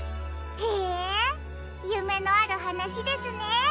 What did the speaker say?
へえゆめのあるはなしですね。